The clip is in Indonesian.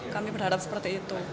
kami berharap seperti itu